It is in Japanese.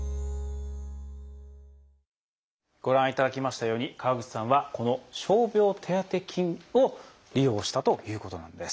ご覧いただきましたように川口さんはこの傷病手当金を利用したということなんです。